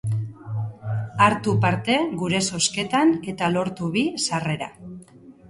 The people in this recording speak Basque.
Hartu parte gure zozketan eta lortu bi sarrera.